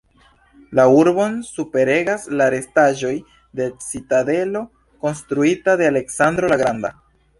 La urbon superregas la restaĵoj de citadelo konstruita de Aleksandro la Granda.